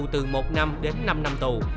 từ một năm đến năm năm tù